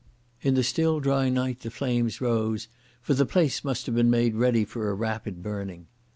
In the still dry night the flames rose, for the place must have been made ready for a rapid burning.